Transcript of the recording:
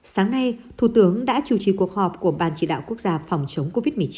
sáng nay thủ tướng đã chủ trì cuộc họp của ban chỉ đạo quốc gia phòng chống covid một mươi chín